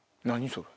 それ。